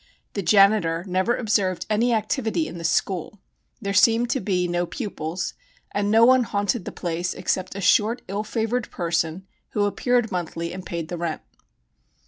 The janitor never observed any activity in the "school." There seemed to be no pupils, and no one haunted the place except a short, ill favored person who appeared monthly and paid the rent.